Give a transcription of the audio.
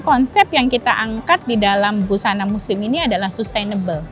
konsep yang kita angkat di dalam busana muslim ini adalah sustainable